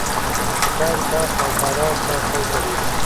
عاشقان تاخت او تاراج ته شوق لري.